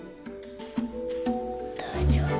大丈夫？